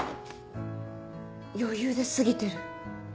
余裕で過ぎてる。